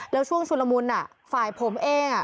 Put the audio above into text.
แล้วช่วงชุลมุนฝ่ายผมเอง